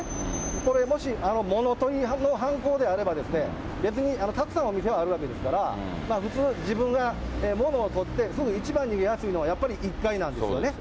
これ、もし、物とりの犯行であれば、別にたくさんお店はあるわけですから、普通、自分が物をとってすぐ一番に出やすいのはやっぱり１階なんですよね。